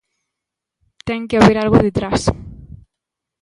Ten que haber algo detrás.